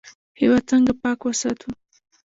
هیواد څنګه پاک وساتو؟